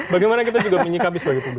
bagaimana kita juga menyikapi sebagai publik